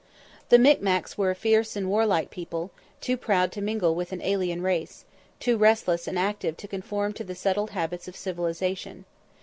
The Mic Macs were a fierce and warlike people, too proud to mingle with an alien race too restless and active to conform to the settled habits of civilization.